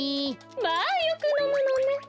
まあよくのむのね。